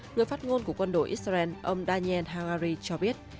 người phát ngôn của quân đội israel ông daniel hagari cho biết